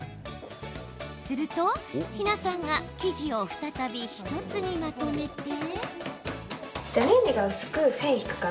すると、緋奈さんが生地を再び１つにまとめて。